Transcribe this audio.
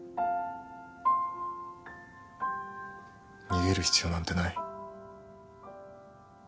逃げる必要なんてない。